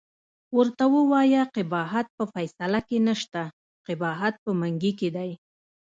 ورته ووایه قباحت په فیصله کې نشته، قباحت په منګي کې دی.